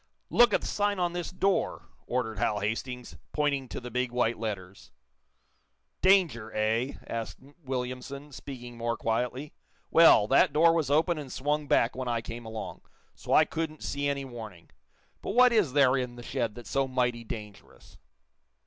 "Look at the sign on this door," ordered Hal Hastings, pointing to the big white letters. "Danger, eh?" asked Williamson, speaking more quietly. "Well, that door was open and swung back when I came along, so I couldn't see any warning. But what is there in the shed that's so mighty dangerous?"